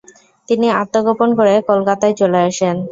তিনি আত্মগোপন করে কলকাতায় চলে আসেন।